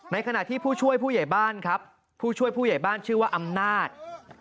ขณะที่ผู้ช่วยผู้ใหญ่บ้านครับผู้ช่วยผู้ใหญ่บ้านชื่อว่าอำนาจ